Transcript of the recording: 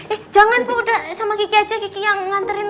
eh jangan bu udah sama kiki aja kiki yang nganterin